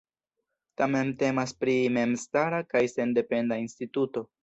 Tamen temas pri memstara kaj sendependa instituto.